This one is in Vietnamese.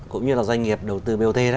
cũng như là doanh nghiệp đầu tư bot